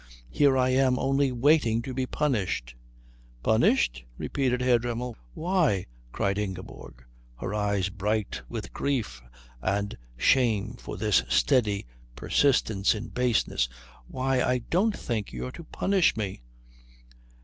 Here I am only waiting to be punished " "Punished?" repeated Herr Dremmel. "Why," cried Ingeborg, her eyes bright with grief and shame for this steady persistence in baseness, "why, I don't think you're to punish me!